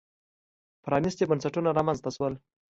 پرانېستي بنسټونه رامنځته شول.